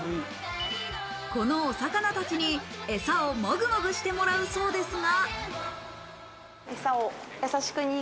このお魚たちにエサをモグモグしてもらうそうですが。